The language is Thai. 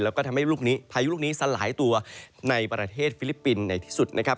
แล้วก็ทำให้พายุลูกนี้สลายตัวในประเทศฟิลิปปินส์ในที่สุดนะครับ